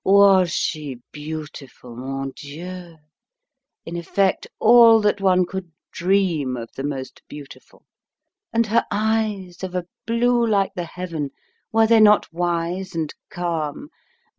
Was she beautiful, mon Dieu! In effect, all that one could dream of the most beautiful! And her eyes, of a blue like the heaven, were they not wise and calm?